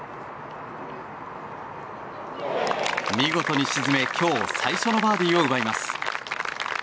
見事に沈め、今日最初のバーディーを奪います。